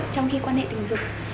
trong khi quan hệ tình dục